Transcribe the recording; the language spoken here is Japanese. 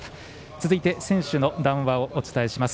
続いて選手の談話をお伝えします。